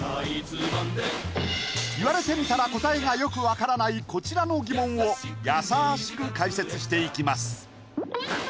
言われてみたら答えがよくわからないこちらの疑問をやさしく解説していきます